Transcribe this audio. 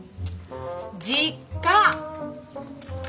実家！